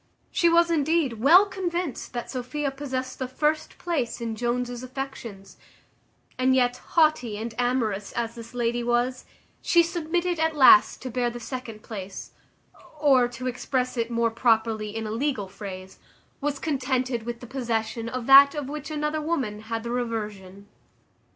She was, indeed, well convinced that Sophia possessed the first place in Jones's affections; and yet, haughty and amorous as this lady was, she submitted at last to bear the second place; or, to express it more properly in a legal phrase, was contented with the possession of that of which another woman had the reversion.